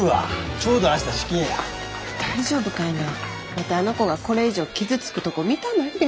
ワテあの子がこれ以上傷つくとこ見たないで。